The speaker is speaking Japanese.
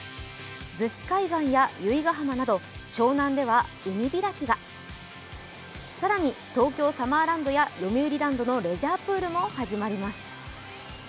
逗子海岸や、由比ヶ浜など湘南では海開きが更に東京サマーランドやよみうりランドのレジャープールも始まります。